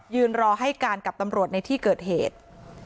รอให้การกับตำรวจในที่เกิดเหตุ